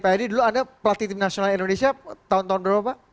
pak edi dulu anda pelatih tim nasional indonesia tahun tahun berapa pak